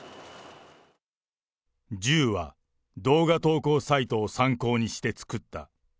銃は動画投稿サイトを参考にして作った。